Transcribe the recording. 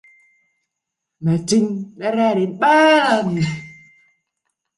Mà chinh đã ra đến ba lần